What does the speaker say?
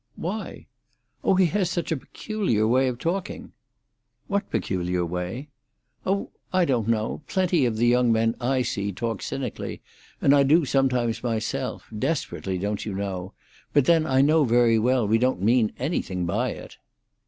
"Why?" "Oh, he has such a peculiar way of talking." "What peculiar way?" "Oh, I don't know. Plenty of the young men I see talk cynically, and I do sometimes myself—desperately, don't you know. But then I know very well we don't mean anything by it."